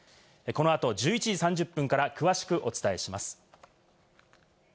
この後１１時３０分から詳しくお伝えします。